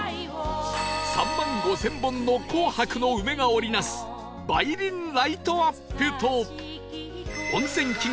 ３万５０００本の紅白の梅が織り成す梅林ライトアップと温泉記号